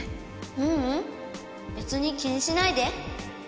ううん別に気にしないで。